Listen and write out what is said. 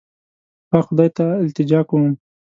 پاک خدای ته التجا کوم.